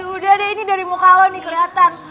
udah deh ini dari muka lo nih keliatan